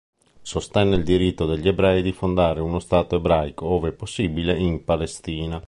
Sostenne il diritto degli ebrei di fondare uno stato ebraico, ove possibile in Palestina.